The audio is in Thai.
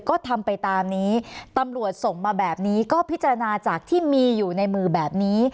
ก็ทำไปตามนี้ตำรวจส่งมาแบบนี้ก็พิจารณาจากที่มีอยู่ในมือแบบนี้